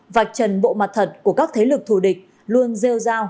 vạch trần bộ mặt thật của các thế lực thù địch luôn rêu rao